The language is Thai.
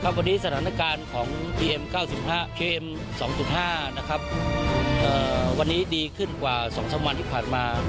ครับวันนี้สถานการณ์ของพีเอ็มเก้าสิบห้าพีเอ็มสองจุดห้านะครับเอ่อวันนี้ดีขึ้นกว่าสองสามวันที่ผ่านมา